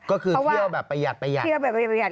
ก็คือเที่ยวแบบประหยัด